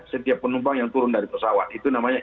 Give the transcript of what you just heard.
setiap penumpang yang turun dari pesawat itu namanya